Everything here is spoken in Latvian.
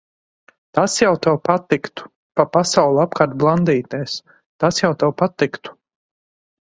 Tas jau tev patiktu. Pa pasauli apkārt blandīties, tas jau tev patiktu.